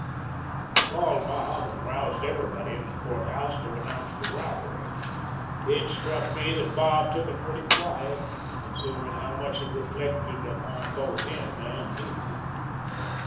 I called Bob, and roused everybody in the court house to announce the robbery. It struck me that Bob took it pretty quiet, considering how much it reflected upon both him and me.